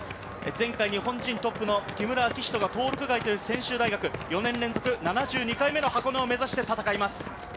前回、日本人トップの木村暁仁が登録外という専修大学、４年連続７２回目の箱根を目指して戦います。